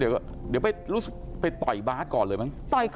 เดี๋ยวไปต่อยบาสก่อนเลยมั้ง